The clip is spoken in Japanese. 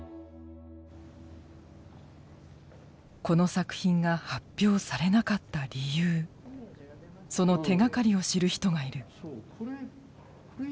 この作品が発表されなかった理由その手がかりを知る人がいる。